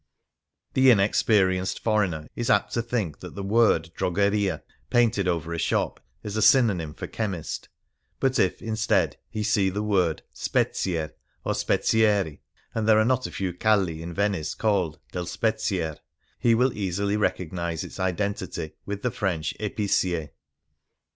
The inexperienced foreigner is apt to think that tlie word drogheria painted over a shop is a synonym for chemist ; but if, instead, he see the word spezier, or spezieri — and there are not a few cuUl in Venice called " Del Spezier "— he will easily realize its identity with the French cpic'ier.